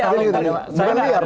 kalau tercari secara liar